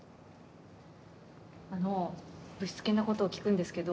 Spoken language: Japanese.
あのぶしつけなことを聞くんですけど。